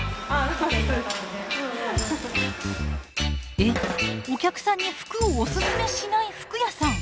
えお客さんに服をオススメしない服屋さん！